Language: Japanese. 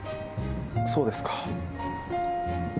そうですか。